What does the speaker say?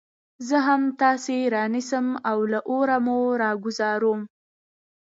زه هم تاسي رانيسم او له اوره مو راگرځوم